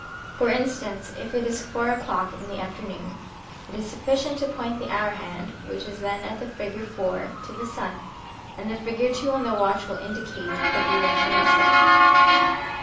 For instance, if it is four o'clock in the afternoon, it is sufficient to point the hour hand (which is then at the figure IIII) to the sun, and the figure II on the watch will indicate the direction of south.